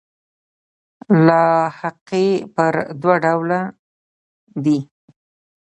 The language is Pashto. لاحقې پر دوه ډوله دي.